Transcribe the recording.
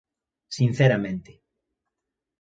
Sinceramente.